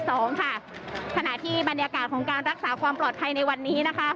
ขณะที่บรรยากาศของการรักษาความปลอดภัยในวันนี้นะคะ